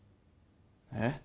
えっ？